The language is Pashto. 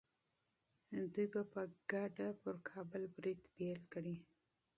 دوی به په ګډه پر کابل برید پیل کړي.